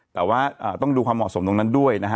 แต่ว่าต้องดูความเหมาะสมตรงนั้นด้วยนะฮะ